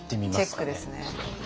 チェックですね。